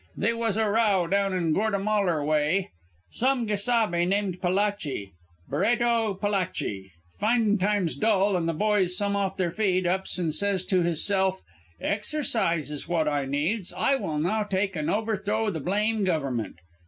They was a row down Gortamalar way. Same gesabe named Palachi Barreto Palachi findin' times dull an' the boys some off their feed, ups an' says to hisself, 'Exercise is wot I needs. I will now take an' overthrow the blame Gover'ment.'